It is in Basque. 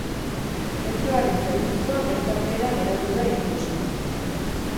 Metroaren zerbitzua bertan behera geratu da hiri osoan.